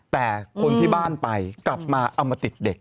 แต่คนที่บ้านไปกลับมาเอามาติดเด็ก